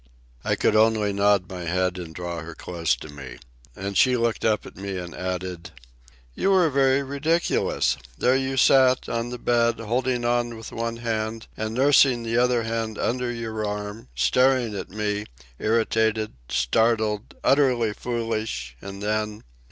I could only nod my head and draw her close to me. And she looked up at me and added: "You were very ridiculous. There you sat, on the bed, holding on with one hand and nursing the other hand under your arm, staring at me, irritated, startled, utterly foolish, and then